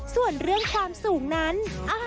ส่วนเรื่องความสูงนั้น